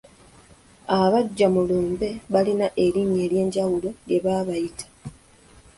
Abajjwa mu lumbe balina erinnya ery'enjawulo lye babayita.